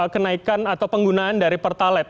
kenaikan atau penggunaan dari pertalet